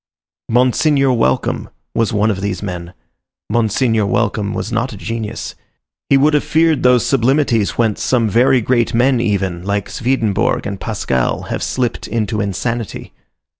Monseigneur Welcome was one of these men; Monseigneur Welcome was not a genius. He would have feared those sublimities whence some very great men even, like Swedenborg and Pascal, have slipped into insanity.